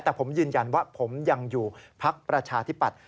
แต่ผมยืนยันว่าผมยังอยู่พักประชาธิปัตย